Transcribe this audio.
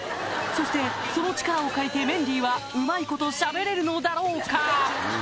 そしてその力を借りてメンディーはうまいことしゃべれるのだろうか？